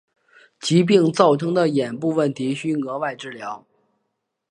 疾病造成的眼部问题需额外治疗。